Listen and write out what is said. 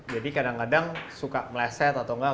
jadi kadang kadang suka meleset atau enggak